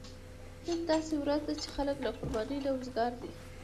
نن داسې ورځ ده چې خلک له قربانۍ نه وزګار دي.